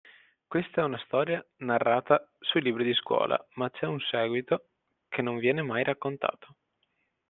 Questa è una storia narrata sui libri di scuola, ma c'è un seguito che non viene mai raccontato.